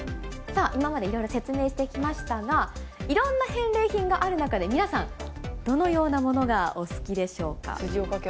今までいろいろ説明してきましたが、いろんな返礼品がある中で皆さん、どのようなものがお好きでしょうか。